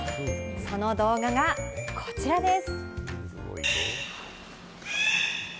その動画がこちらです。